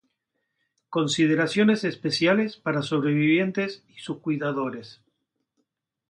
Consideraciones especiales para sobrevivientes y sus cuidadores.